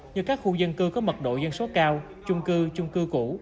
như các khu dân cư có mật độ dân số cao chung cư chung cư cũ